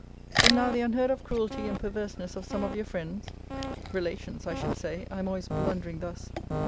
But now the unheard of cruelty and perverseness of some of your friends [relations, I should say I am always blundering thus!